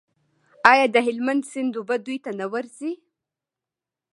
آیا د هلمند سیند اوبه دوی ته نه ورځي؟